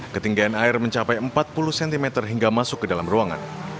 ketinggian air mencapai empat puluh cm hingga masuk ke dalam ruangan